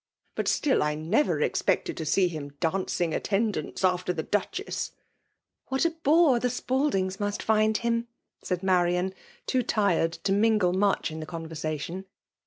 But stilly I never expected to see Un dancuig attendance aftetr the Dttcliess.'* " What a t>ove iht Spaldings loiist find hnn !'* said Manas* too tired to mingle much in the conversation.